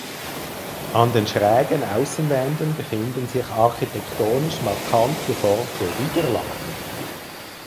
An den schrägen Außenwänden befinden sich architektonisch markant geformte Widerlager.